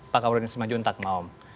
pak kamarudin semanjuntak maaf